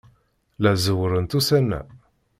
La zerrwent ussan-a.